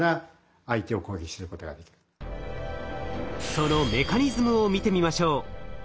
そのメカニズムを見てみましょう。